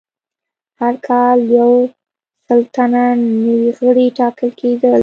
هر کال یو سل تنه نوي غړي ټاکل کېدل